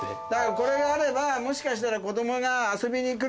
これがあればもしかしたら。